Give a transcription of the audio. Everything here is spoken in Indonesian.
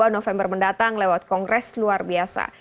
dua november mendatang lewat kongres luar biasa